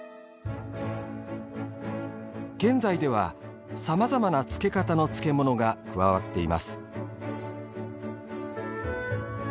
現在では、さまざまな漬け方の漬物が加わっています。